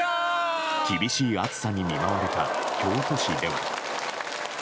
厳しい暑さに見舞われた京都市では。